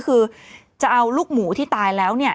คือจะเอาลูกหมูที่ตายแล้วเนี่ย